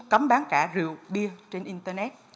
cấm bán cả rượu bia trên internet